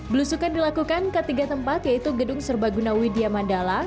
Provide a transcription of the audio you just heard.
belusukan dilakukan ke tiga tempat yaitu gedung serbaguna widya mandala